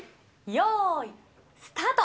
よーいスタート。